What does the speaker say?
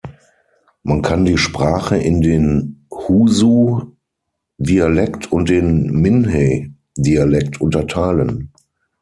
Man kann die Sprache in den Huzhu-Dialekt und den Minhe-Dialekt unterteilen.